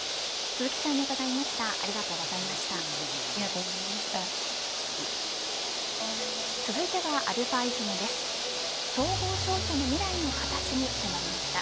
鈴木さんに伺いました。